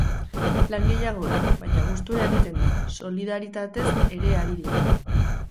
Lan gehiago da, baina gustura egiten da, solidaritatez ere ari dira.